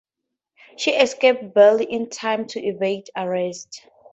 She escaped barely in time to evade arrest.